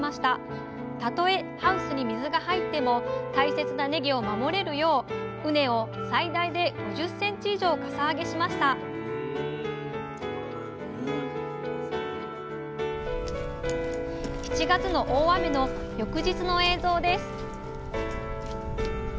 たとえハウスに水が入っても大切なねぎを守れるよう畝を最大で５０センチ以上かさ上げしました７月の大雨の翌日の映像です